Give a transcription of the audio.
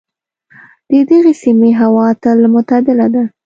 د دغې سیمې هوا تل معتدله ده.